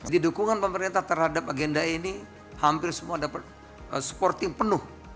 di dukungan pemerintah terhadap agenda ini hampir semua dapat supporting penuh